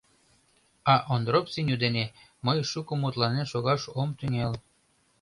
А Ондроп Сеню дене мый шуко мутланен шогаш ом тӱҥал.